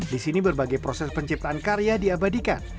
di sini berbagai proses penciptaan karya diabadikan